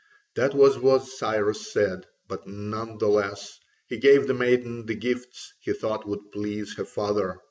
That was what Cyrus said, but none the less he gave the maiden the gifts he thought would please her father.